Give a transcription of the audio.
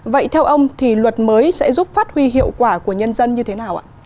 vậy theo ông thì luật mới sẽ giúp phát huy hiệu quả của nhân dân như thế nào ạ